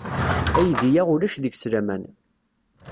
Aydi-a ulac deg-s laman.